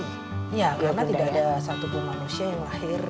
iya karena tidak ada satu ibu manusia yang lahir